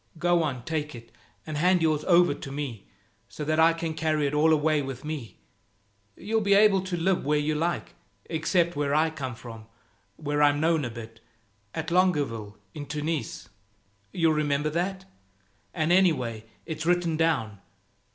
Go on, take it, and hand yours over to me so that I can carry it all away with me. You'll be able to live where you like, except where I come from, where I'm known a bit, at Longueville in Tunis. You'll remember that? And anyway, it's written down.